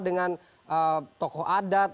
dengan tokoh adat